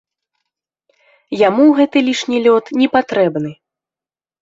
Яму гэты лішні лёд непатрэбны.